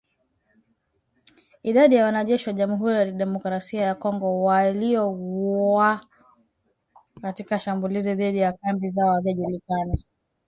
Idadi ya wanajeshi wa Jamuhuri ya Demokrasia ya Kongo waliouawa katika shambulizi dhidi ya kambi zao haijajulikana